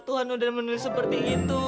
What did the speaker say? tuhan udah menulis seperti itu